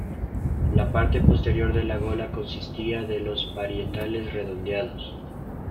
La parte posterior de la gola consistía de los parietales redondeados.